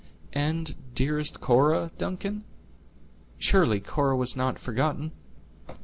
"And, dearest Cora, Duncan; surely Cora was not forgotten?"